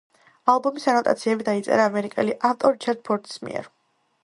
ალბომის ანოტაციები დაიწერა ამერიკელი ავტორ რიჩარდ ფორდის მიერ.